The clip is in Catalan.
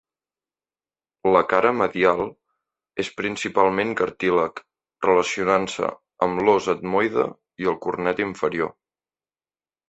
La cara medial és principalment cartílag, relacionant-se amb l'os etmoide i el cornet inferior.